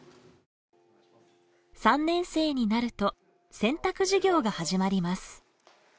３年生になると選択授業が始まります。